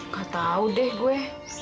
gak tahu deh gue